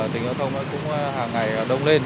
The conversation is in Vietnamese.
tình giao thông cũng hàng ngày đông lên